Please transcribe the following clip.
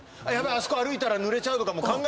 あそこ歩いたらぬれちゃうとか考えちゃ。